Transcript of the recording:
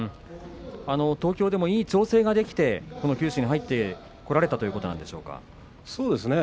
東京でもいい調整ができてこの九州に入ってこられたということですか。